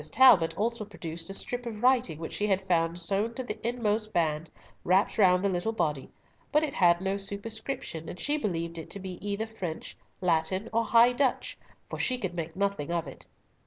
Talbot also produced a strip of writing which she had found sewn to the inmost band wrapped round the little body, but it had no superscription, and she believed it to be either French, Latin, or High Dutch, for she could make nothing of it.